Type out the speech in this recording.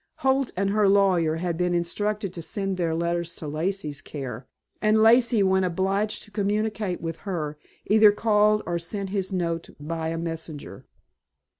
Holt and her lawyer had been instructed to send their letters to Lacey's care, and Lacey when obliged to communicate with her, either called or sent his note by a messenger.